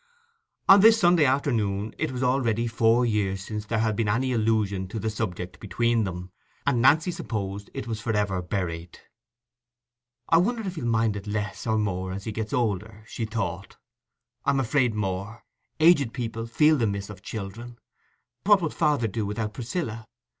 On this Sunday afternoon it was already four years since there had been any allusion to the subject between them, and Nancy supposed that it was for ever buried. "I wonder if he'll mind it less or more as he gets older," she thought; "I'm afraid more. Aged people feel the miss of children: what would father do without Priscilla?